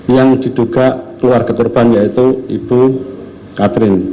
yang diduga keluarga korban yaitu ibu katrin